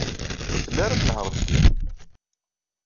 Ur telli ara tnehheṛ deg yiḍ.